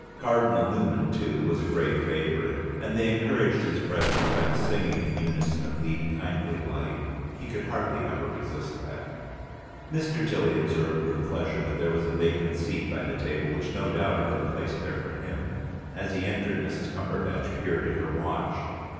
Cardinal Newman, too, was a great favourite, and they encouraged his presence by the singing in unison of "Lead, kindly Light": he could hardly ever resist that... Mr. Tilly observed with pleasure that there was a vacant seat by the table which no doubt had been placed there for him. As he entered, Mrs. Cumberbatch peered at her watch.